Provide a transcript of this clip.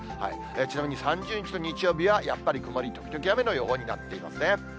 ちなみに３０日の日曜日はやっぱり曇り時々雨の予報になっていますね。